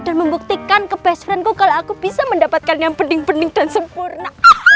dan membuktikan ke best friendku kalau aku bisa mendapatkan yang pending pending dan sempurna